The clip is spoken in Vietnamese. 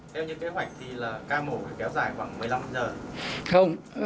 theo như kế hoạch thì là ca mổ kéo dài khoảng một mươi năm giờ không